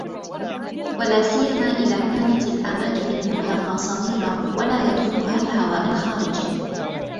ولاسيما إذا كانت الأماكن المغلقة صغيرة ولا يدخلها الهواء الخارجي